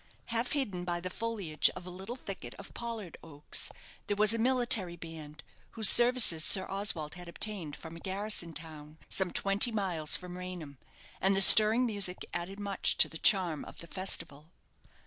Half hidden by the foliage of a little thicket of pollard oaks, there was a military band, whose services Sir Oswald had obtained from a garrison town some twenty miles from Raynham, and the stirring music added much to the charm of the festival.